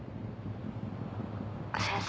先生。